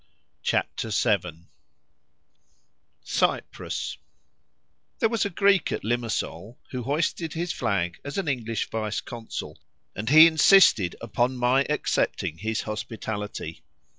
CHAPTER VII—CYPRUS There was a Greek at Limasol who hoisted his flag as an English vice consul, and he insisted upon my accepting his hospitality.